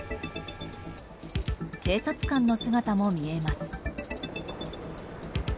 警察官の姿も見えます。